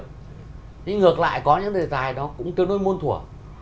thế nhưng ngược lại có những đề tài đó cũng tương đối môn thủa